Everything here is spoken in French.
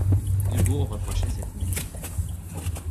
Dubourg reprochait cette inaction.